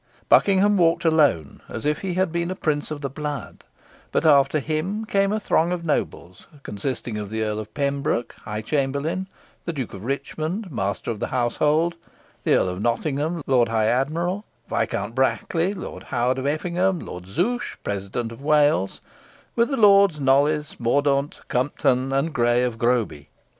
Buckingham walked alone, as if he had been a prince of the blood; but after him came a throng of nobles, consisting of the Earl of Pembroke, high chamberlain; the Duke of Richmond, master of the household; the Earl of Nottingham, lord high admiral; Viscount Brackley, Lord Howard of Effingham, Lord Zouche, president of Wales; with the Lords Knollys, Mordaunt, Conipton, and Grey of Groby.